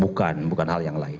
bukan bukan hal yang lain